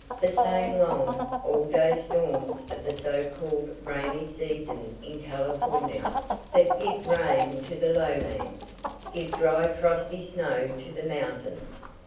The same long, all day storms of the so called Rainy Season in California, that give rain to the lowlands, give dry frosty snow to the mountains.